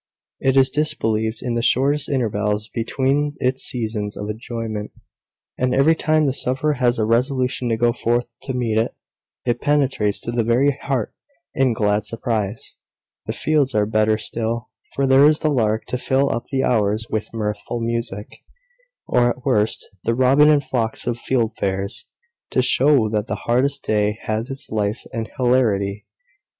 It is disbelieved in the shortest intervals between its seasons of enjoyment: and every time the sufferer has resolution to go forth to meet it, it penetrates to the very heart in glad surprise. The fields are better still; for there is the lark to fill up the hours with mirthful music; or, at worst, the robin and flocks of fieldfares, to show that the hardest day has its life and hilarity.